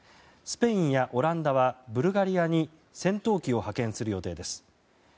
スペインやオランダはブルガリアに戦闘機を派遣する予定です。